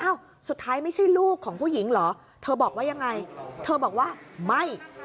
สุดท้ายไม่ใช่ลูกของผู้หญิงเหรอเธอบอกว่ายังไงเธอบอกว่าไม่